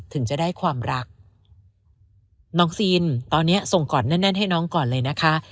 ถึงจะได้ความรักน้องซีนตอนนี้ส่งก่อนแน่นให้น้องก่อนเลยนะคะ